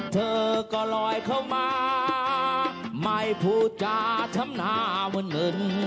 เธอก็ลอยเข้ามาไม่พูดจาช้ำหน้าเหมือน